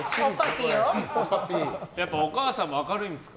やっぱお母さんも明るいんですか？